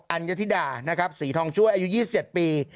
ัญญธิดานะครับสีทองช่วยอายุ๒๗ปี